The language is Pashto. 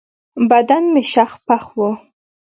بدن مې شخ پخ و.